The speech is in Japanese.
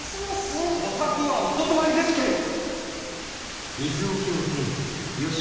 吾作はお断りですけん！